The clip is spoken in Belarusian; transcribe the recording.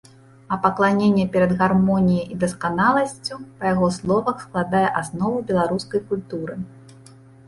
А пакланенне перад гармоніяй і дасканаласцю, па яго словах, складае аснову беларускай культуры.